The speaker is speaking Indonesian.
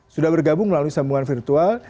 sudah bergabung melalui sambungan virtual